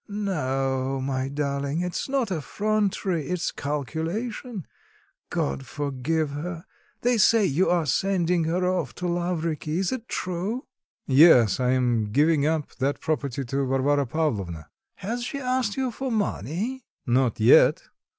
"No, my darling, it's not effrontery, it's calculation, God forgive her! They say you are sending her off to Lavriky; is it true?" "Yes, I am giving up that property to Varvara Pavlovna." "Has she asked you for money?" "Not yet."